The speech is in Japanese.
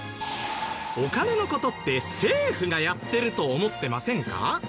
お金の事って政府がやってると思ってませんか？